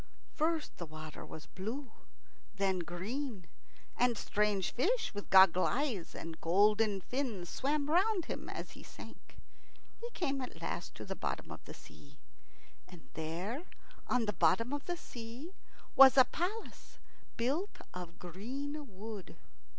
First the water was blue, then green, and strange fish with goggle eyes and golden fins swam round him as he sank. He came at last to the bottom of the sea. And there, on the bottom of the sea, was a palace built of green wood.